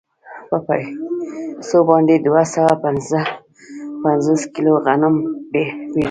په پیسو باندې دوه سوه پنځه پنځوس کیلو غنم پېري